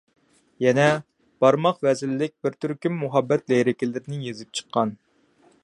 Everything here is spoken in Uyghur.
يەنە بارماق ۋەزىنلىك بىر تۈركۈم مۇھەببەت لىرىكىلىرىنى يېزىپ چىققان.